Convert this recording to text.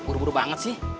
buru buru banget sih